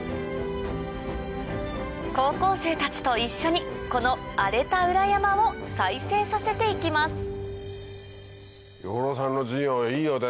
高校生たちと一緒にこの荒れた裏山を再生させていきます養老さんの授業いいよね